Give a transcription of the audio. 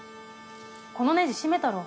このネジ締めたろ。